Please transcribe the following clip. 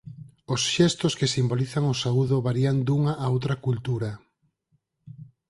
Os xestos que simbolizan o saúdo varían dunha a outra cultura.